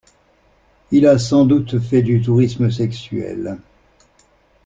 Il a sans doute fait du tourisme sexuel.